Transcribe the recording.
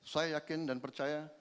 saya yakin dan percaya